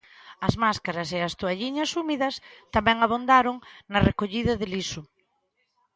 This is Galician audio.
As máscaras e as toalliñas húmidas tamén abondaron na recollida de lixo.